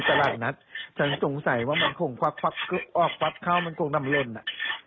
ฉันสงสัยว่ามันคงควับควับออกควับเข้ามันคงนำล่นอ่ะ